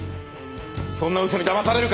そんな嘘にだまされるか！